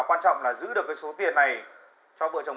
cô có biết vợ anh đâu không